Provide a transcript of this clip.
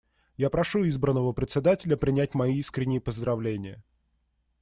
Я прошу избранного Председателя принять мои искренние поздравления.